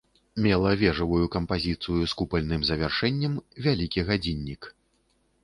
Мела вежавую кампазіцыю з купальным завяршэннем, вялікі гадзіннік.